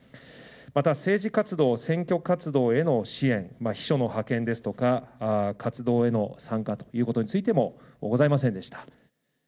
また政治活動、選挙活動への支援、秘書の派遣ですとか、活動への参加ということについてもございませんでした。